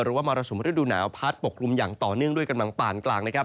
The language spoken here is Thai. หรือมารสมฤดูหนาวพัดปกลุ่มอย่างต่อนื่องด้วยกระหว่างป่านกลาง